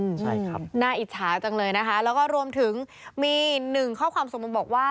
ใช่ครับน่าอิจฉาจังเลยนะคะแล้วก็รวมถึงมีหนึ่งข้อความส่งมาบอกว่า